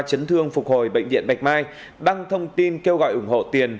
chấn thương phục hồi bệnh viện bạch mai đăng thông tin kêu gọi ủng hộ tiền